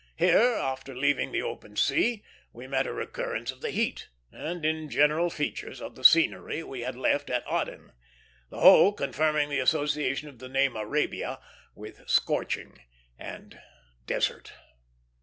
Here, after leaving the open sea, we met a recurrence of the heat, and, in general features, of the scenery we had left at Aden; the whole confirming the association of the name Arabia with scorching and desert.